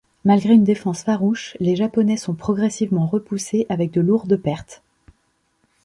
Malgré une défense farouche, les Japonais sont progressivement repoussés avec de lourdes pertes.